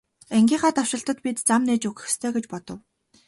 Ангийнхаа давшилтад бид зам нээж өгөх ёстой гэж бодов.